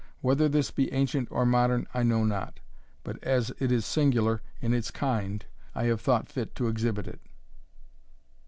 Whether this be ancient or modern, I know not; but as it is singular in its kind I have thought fit to exhibit it."